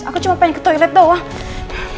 aku cuma pengen ke toilet doang